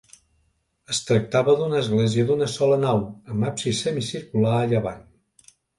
Es tractava d'una església d'una sola nau, amb absis semicircular a llevant.